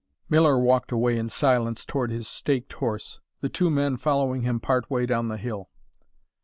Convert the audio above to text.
Miller walked away in silence toward his staked horse, the two men following him part way down the hill.